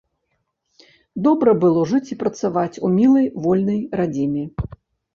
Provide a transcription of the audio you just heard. Добра было жыць і працаваць у мілай вольнай радзіме.